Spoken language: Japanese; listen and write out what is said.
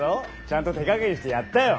ちゃんと手加減してやったよ。